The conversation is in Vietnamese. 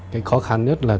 cái khó khăn nhất là